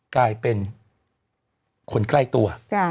กลายเป็นคนใกล้ตัว